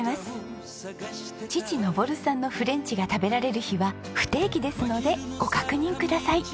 父登さんのフレンチが食べられる日は不定期ですのでご確認ください。